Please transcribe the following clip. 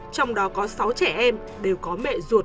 trong đó có sáu trẻ em đều có mẹ ruột